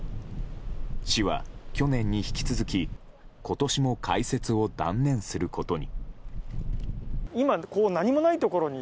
市は去年に引き続き今年も開設を断念することに。